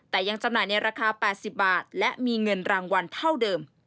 แต่ยังจำหน่ายในราคา๘๐บาทและมีเงินรางวัลเท่าเดิม